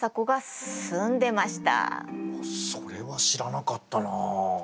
あっそれは知らなかったなあ。